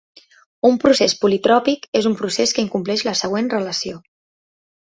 Un procés politròpic és un procés que incompleix la següent relació